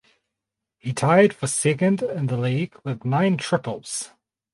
He tied for second in the league with nine triples.